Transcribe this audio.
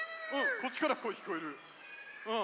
こっちからこえきこえるうん。